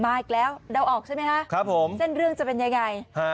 อีกแล้วเดาออกใช่ไหมคะครับผมเส้นเรื่องจะเป็นยังไง